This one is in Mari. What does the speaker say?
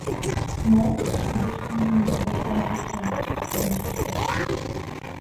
— Мом? — ӱдыр шкенжым воштончышыш ончыштеш.